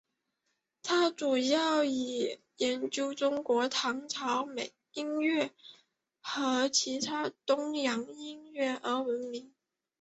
他主要以研究中国唐朝音乐和其他东洋音乐而闻名。